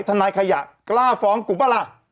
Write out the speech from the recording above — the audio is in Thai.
ท่านนายขยะกล้าฟ้องกุประ